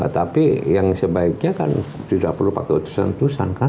tapi yang sebaiknya kan tidak perlu pakai utusan tusangka